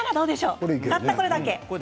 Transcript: たったこれだけ。